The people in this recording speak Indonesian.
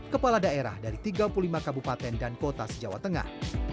kepala daerah dari tiga puluh lima kabupaten dan kota se jawa tengah